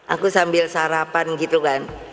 aku sambil sarapan gitu kan